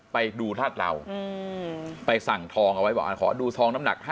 ไปดูธาตุเราไปสั่งทองเอาไว้บอกขอดูทองน้ำหนัก๕๐